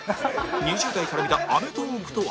２０代から見た『アメトーーク』とは？